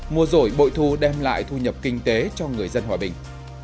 mùa rổi bội thu đem lại thu nhập kinh tế cho người dân hòa bình